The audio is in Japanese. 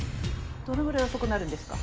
どのぐらい遅くなるんですか？